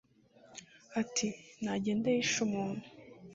Ati : Ntagende yishe umuntu.